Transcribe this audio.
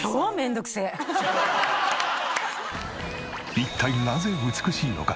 一体なぜ美しいのか？